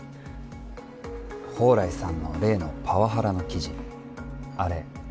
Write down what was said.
宝来さんの例のパワハラの記事あれ